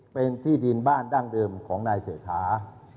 เป็นที่ดินบ้านดั้งเดิมของนายเศรษฐา